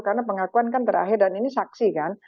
karena pengakuan kan terakhir dan ini saksi kan